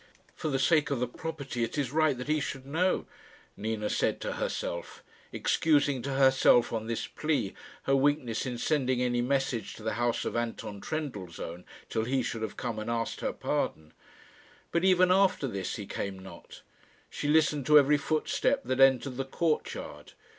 "For the sake of the property it is right that he should know," Nina said to herself, excusing to herself on this plea her weakness in sending any message to the house of Anton Trendellsohn till he should have come and asked her pardon. But even after this he came not. She listened to every footstep that entered the courtyard.